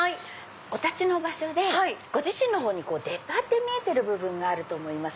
お立ちの場所でご自身の方に出っ張って見えてる部分があると思います。